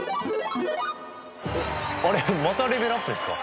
あれっまたレベルアップですか。